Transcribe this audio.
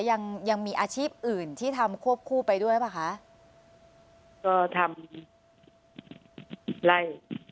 ยังยังมีอาชีพอื่นที่ทำควบคู่ไปด้วยหรือเปล่าคะก็ทำไล่อ๋อ